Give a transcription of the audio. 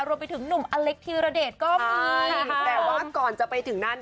รวมไปถึงหนุ่มอเล็กธีรเดชก็มีแต่ว่าก่อนจะไปถึงนั่น